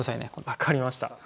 分かりました！